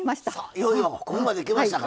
いよいよここまで来ましたか。